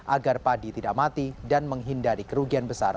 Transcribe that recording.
agar padi tidak mati dan menghindari kerugian besar